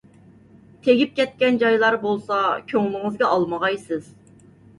تېگىپ كەتكەن جايلار بولسا كۆڭلىڭىزگە ئالمىغايسىز.